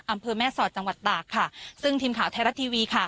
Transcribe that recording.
อำเภอแม่สอดจังหวัดตากค่ะซึ่งทีมข่าวไทยรัฐทีวีค่ะ